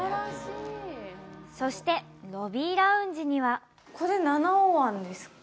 そして、ロビーラウンジにはこれ七尾湾ですか。